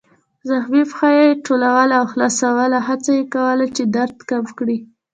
زخمي پښه يې ټولول او خلاصول، هڅه یې کوله چې درد کم کړي.